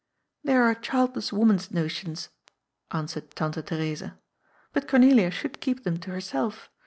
" They are a childless woman's notions," answered Tante Theresa, " but Cornelia should keep them to herself.